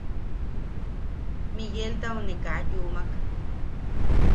Migueltau ne kaa yumak.